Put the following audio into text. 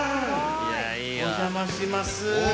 お邪魔します。